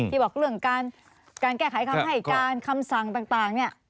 บอกเรื่องการแก้ไขคำให้การคำสั่งต่างเนี่ย